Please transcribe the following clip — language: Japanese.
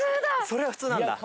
それが普通なんだ。